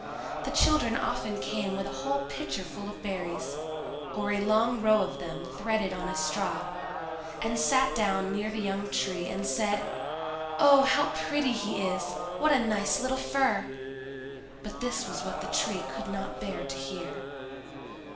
The children often came with a whole pitcher full of berries, or a long row of them threaded on a straw, and sat down near the young Tree and said, "Oh, how pretty he is! what a nice little fir!" But this was what the Tree could not bear to hear.